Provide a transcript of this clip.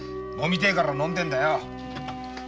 飲みてえから飲んでるんだよ！